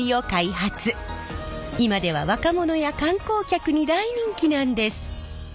今では若者や観光客に大人気なんです！